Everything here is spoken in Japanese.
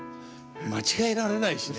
間違えられないしね。